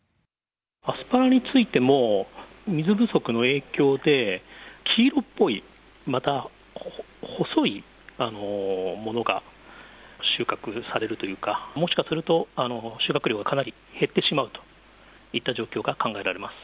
アスパラについても、水不足の影響で、黄色っぽい、また細いものが収穫されるというか、もしかすると、収穫量がかなり減ってしまうといった状況が考えられます。